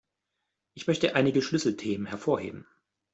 Ich möchte einige Schlüsselthemen hervorheben.